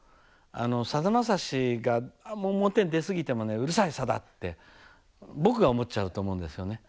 さだまさしがあんま表に出過ぎてもね「うるさいさだ！」って僕が思っちゃうと思うんですよね。